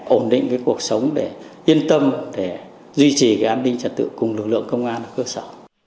ổn định cái cuộc sống để yên tâm để duy trì an ninh trật tự cùng lực lượng công an ở cơ sở